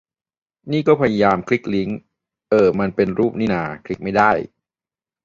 นี่ก็พยายามคลิกลิงก์ เอ้อ มันเป็นรูปนี่นา คลิปไม่ได้